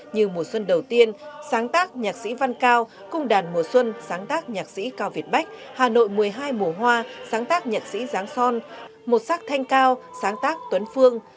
như mùa xuân đầu tiên sáng tác nhạc sĩ văn cao cung đàn mùa xuân sáng tác nhạc sĩ cao việt bách hà nội một mươi hai mùa hoa sáng tác nhạc sĩ giáng son một sắc thanh cao sáng tác tuấn phương